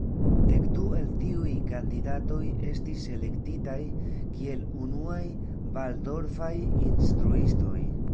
Dek du el tiuj kandidatoj estis elektitaj kiel unuaj valdorfaj instruistoj.